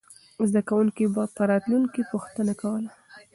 زده کوونکي به راتلونکې کې پوښتنې کوله.